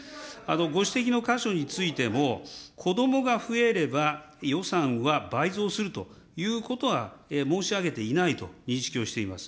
ご指摘の箇所についても、子どもが増えれば予算は倍増するということは申し上げていないと認識をしています。